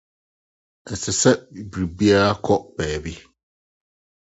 Ɛsɛ sɛ biribiara kɔ baabi.